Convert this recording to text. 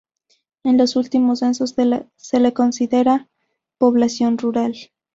En los últimos censos se la considera población rural.